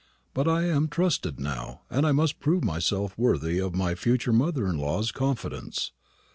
But I am trusted now, and I must prove myself worthy of my future mother in law's confidence.